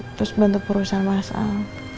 terus bantu perusahaan mas al